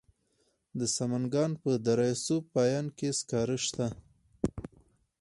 د سمنګان په دره صوف پاین کې سکاره شته.